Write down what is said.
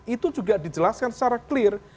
jadi kita harus jelaskan secara clear